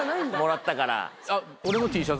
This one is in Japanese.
もらったから。